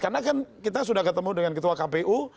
karena kan kita sudah ketemu dengan ketua kpu